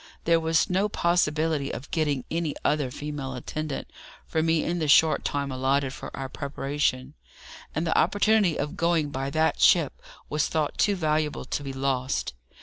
There was no possibility of getting any other female attendant for me in the short time allotted for our preparation, and the opportunity of going by that ship was thought too valuable to be lost.